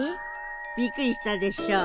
びっくりしたでしょ？